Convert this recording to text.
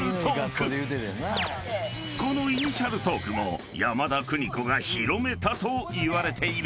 ［このイニシャルトークも山田邦子が広めたといわれている］